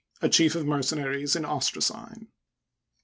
A Chief of Mercenaries in Ostracine.